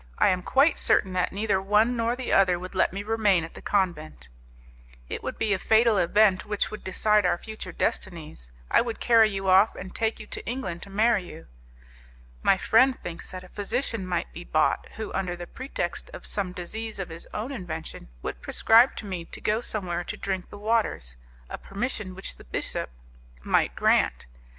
I am quite certain that neither one nor the other would let me remain at the convent." "It would be a fatal event which would decide our future destinies. I would carry you off, and take you to England to marry you." "My friend thinks that a physician might be bought, who, under the pretext of some disease of his own invention, would prescribe to me to go somewhere to drink the waters a permission which the bishop might grant.